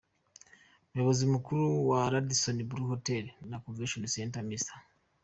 Umuyobozi mukuru wa Radisson Blu Hotel na Convention Center Mr.